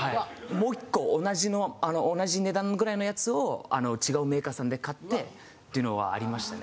もう１個同じ値段ぐらいのやつを違うメーカーさんで買ってっていうのはありましたね。